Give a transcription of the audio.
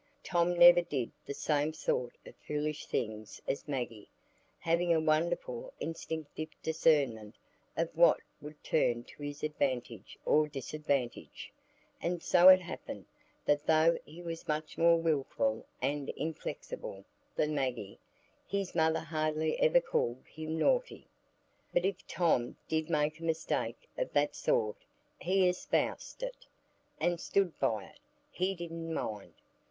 Tom never did the same sort of foolish things as Maggie, having a wonderful instinctive discernment of what would turn to his advantage or disadvantage; and so it happened, that though he was much more wilful and inflexible than Maggie, his mother hardly ever called him naughty. But if Tom did make a mistake of that sort, he espoused it, and stood by it: he "didn't mind."